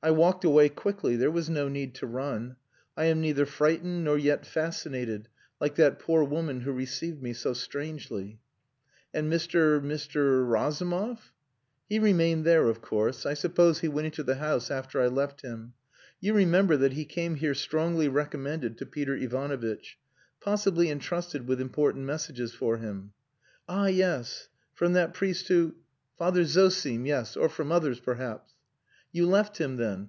I walked away quickly. There was no need to run. I am neither frightened nor yet fascinated, like that poor woman who received me so strangely." "And Mr. Mr. Razumov...?" "He remained there, of course. I suppose he went into the house after I left him. You remember that he came here strongly recommended to Peter Ivanovitch possibly entrusted with important messages for him." "Ah yes! From that priest who..." "Father Zosim yes. Or from others, perhaps." "You left him, then.